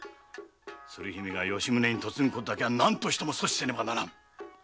鶴姫が吉宗に嫁ぐことだけは何としても阻止せねばならん。